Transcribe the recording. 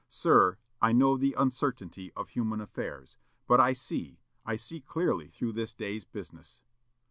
Sir, I know the uncertainty of human affairs, but I see, I see clearly through this day's business.